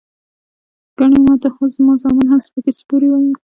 ګني ماته خو زما زامن هم سپکې سپورې وائي" ـ